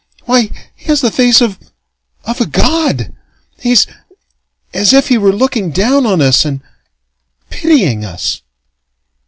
Why, he has the face of of a god! He's as if he were looking down on us and pitying us...."